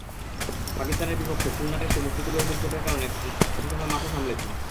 পাকিস্তানের বিপক্ষে খুলনা টেস্টে মুশফিকুর রহিমের চোটের কারণে কিছু সময় মাঠও সামলেছেন।